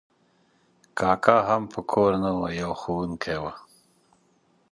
کاکا هم په کور نه و، یو ښوونکی و.